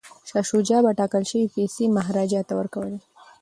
شاه شجاع به ټاکل شوې پیسې مهاراجا ته ورکوي.